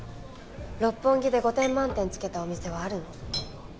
六本木で５点満点つけたお店はあるの？